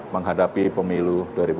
menghadapi pemilu dua ribu dua puluh